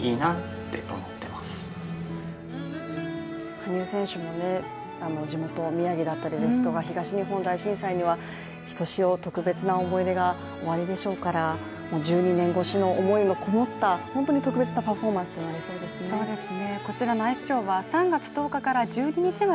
羽生選手も地元・宮城だったりですとか東日本大震災には、ひとしお特別な思いがおありでしょうから１２年越しの思いのこもった特別なパフォーマンスとなりそうですね。